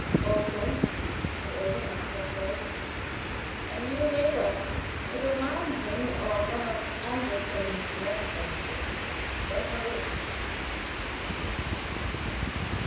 "Also!" said Eugen, after a pause. "A new neighbor; it reminds me of one of Andersen's 'Märchen,' but I don't know which."